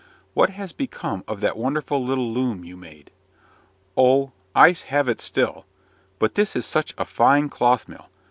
"What has become of that wonderful little loom you made?" "Oh! I have it still. But this is such a fine cloth mill!